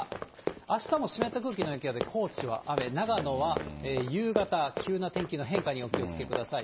あしたも湿った空気の影響で高知は雨、長野は夕方急な天気の変化にお気をつけください。